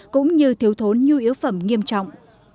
cũng như thiếu thốn nhu yếu phẩm nghiêm trọng